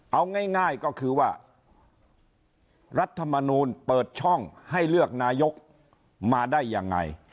เอาง่ายก็คือว่ารัฐมนูลเปิดช่องให้เลือกนายกมาได้ยังไง